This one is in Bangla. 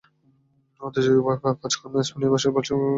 আন্তর্জাতিক কাজকর্মে স্পেনীয় ভাষার পাশাপাশি ইংরেজি ভাষার প্রচলন বেড়েছে।